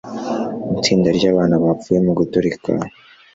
itsinda ryabantu bapfuye muguturika